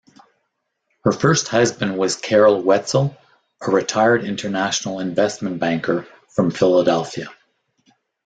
Her first husband was Carroll Wetzel, a retired international investment banker from Philadelphia.